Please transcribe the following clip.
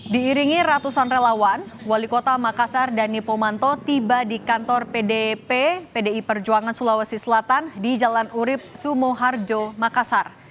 diiringi ratusan relawan wali kota makassar dhani pomanto tiba di kantor pdp pdi perjuangan sulawesi selatan di jalan urib sumoharjo makassar